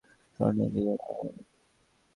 স্বর্ণ দিয়ে বানানো নাকি?